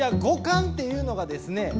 五感っていうのがですね